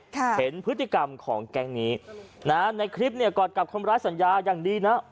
เห็นพฤติกรรมของแก๊งนี้นะฮะในคลิปเนี่ยกอดกับคนร้ายสัญญาอย่างดีนะ